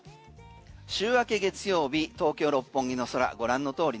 週明け月曜日東京・六本木の空ご覧の通り